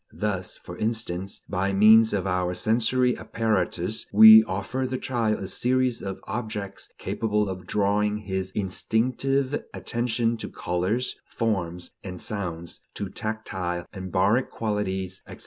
Thus, for instance, by means of our sensory apparatus we offer the child a series of objects capable of drawing his instinctive attention to colors, forms, and sounds, to tactile and baric qualities, etc.